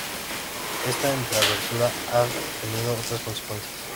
Esta "entre-abertura" ha tenido otras consecuencias.